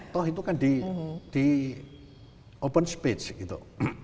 toh itu kan di open speech gitu